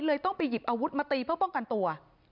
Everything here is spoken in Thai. ต้องไปหยิบอาวุธมาตีเพื่อป้องกันตัว